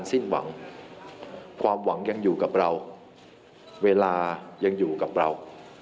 ความหวังของการสิ้นหวังความหวังยังอยู่กับเราเวลายังอยู่กับเรา